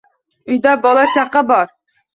Uyda bola-chaqa bor…»